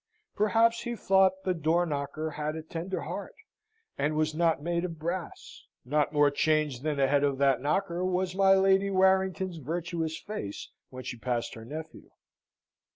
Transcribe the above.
Perhaps he thought the door knocker had a tender heart, and was not made of brass; not more changed than the head of that knocker was my Lady Warrington's virtuous face when she passed her nephew.